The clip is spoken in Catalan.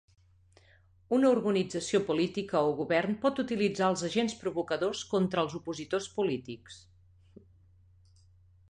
Una organització política o govern pot utilitzar els agents provocadors contra els opositors polítics.